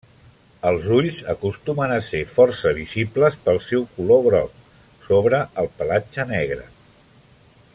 Els ulls acostumen a ser força visibles pel seu color groc sobre el pelatge negre.